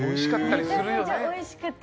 めちゃめちゃ美味しくて。